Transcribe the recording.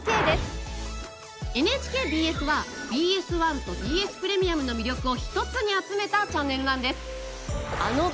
ＮＨＫＢＳはＢＳ１とＢＳプレミアムの魅力を一つに集めたチャンネルなんです。